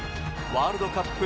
ワールドカップ